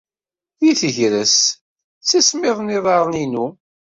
Deg tegrest, ttismiḍen yiḍarren-inu.